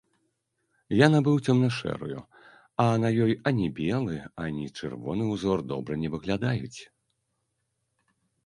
Я набыў цёмна-шэрую, а на ёй ані белы, ані чырвоны ўзор добра не выглядаюць.